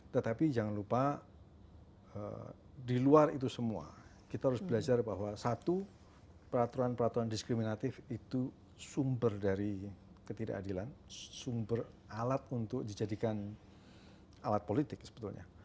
tetapi jangan lupa di luar itu semua kita harus belajar bahwa satu peraturan peraturan diskriminatif itu sumber dari ketidakadilan sumber alat untuk dijadikan alat politik sebetulnya